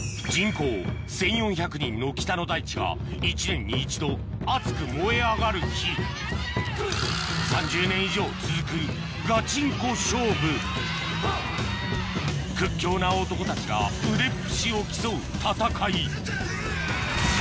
北の大地が１年に一度熱く燃え上がる日３０年以上続くガチンコ勝負屈強な男たちが腕っ節を競う戦い